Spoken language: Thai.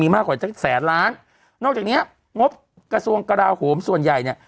มากกว่าตั้งแสนล้านนอกจากเนี้ยงบกระทรวงกราโหมส่วนใหญ่เนี่ย